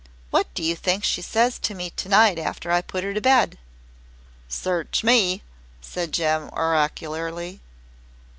"What do you think she says to me to night after I put her to bed?" "Search ME!" said Jem oracularly.